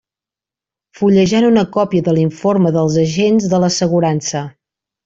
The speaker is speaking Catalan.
Fullejant una còpia de l'informe dels agents de l'assegurança.